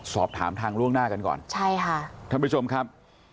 สอบถามทางล่วงหน้ากันก่อนใช่ค่ะท่านผู้ชมครับ